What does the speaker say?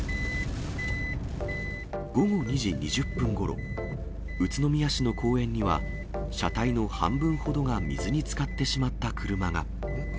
午後２時２０分ごろ、宇都宮市の公園には、車体の半分ほどが水につかってしまった車が。